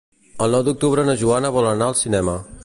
El nou d'octubre na Joana vol anar al cinema.